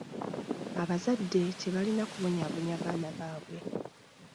Abazadde tebalina kubonyaabonya baana baabwe.